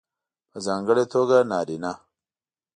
په ځانګړې توګه نارینه